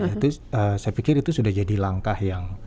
itu saya pikir itu sudah jadi langkah yang